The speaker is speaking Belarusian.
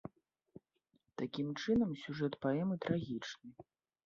Такім чынам, сюжэт паэмы трагічны.